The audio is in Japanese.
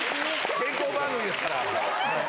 健康番組ですから。